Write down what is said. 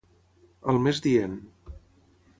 Al més dient.